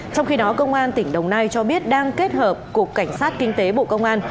trong khi đó công an tỉnh đồng nai cho biết đang kết hợp cục cảnh sát kinh tế bộ công an